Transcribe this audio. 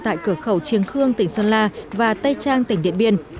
tại cửa khẩu triềng khương tỉnh sơn la và tây trang tỉnh điện biên